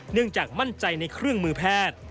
เนื่องจากมั่นใจในเครื่องมือแพทย์